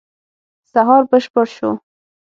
سهار بشپړ شو.